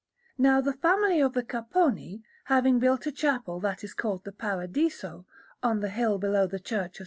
Now the family of the Capponi, having built a chapel that is called the Paradiso, on the hill below the Church of S.